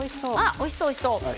おいしそう、おいしそう。